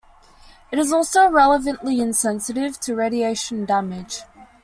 It is also relatively insensitive to radiation damage.